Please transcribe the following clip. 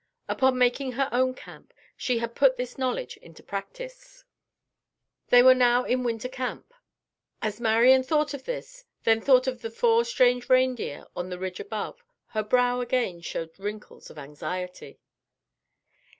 Upon making her own camp she had put this knowledge into practice. They were now in winter camp. As Marian thought of this, then thought of the four strange reindeer on the ridge above, her brow again showed wrinkles of anxiety.